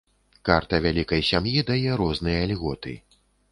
Карта вялікай сям'і дае розныя льготы.